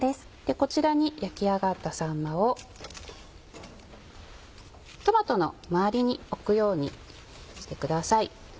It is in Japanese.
こちらに焼き上がったさんまをトマトの周りに置くようにしてください。